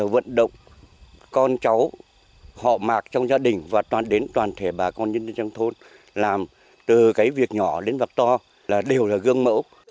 với trách nhiệm